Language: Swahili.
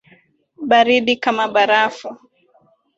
Baridi kama barafu.